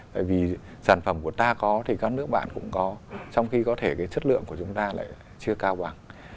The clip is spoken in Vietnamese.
tại vì sản phẩm của ta có thì các nước bạn cũng có trong khi có thể cái chất lượng của chúng ta lại chưa cao bằng